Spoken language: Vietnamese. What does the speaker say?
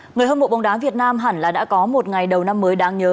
người hâm mộ bóng đá việt nam hẳn là đã có một ngày đầu năm mới đáng nhớ